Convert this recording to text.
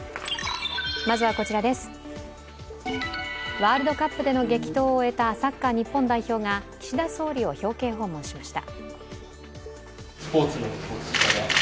ワールドカップでの激闘を終えたサッカー日本代表が岸田総理を表敬訪問しました。